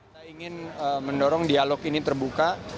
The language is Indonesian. kita ingin mendorong dialog ini terbuka